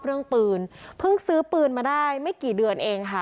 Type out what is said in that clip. เรื่องปืนเพิ่งซื้อปืนมาได้ไม่กี่เดือนเองค่ะ